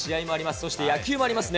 そして野球もありますね。